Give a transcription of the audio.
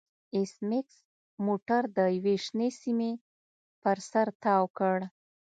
ایس میکس موټر د یوې شنې سیمې پر سر تاو کړ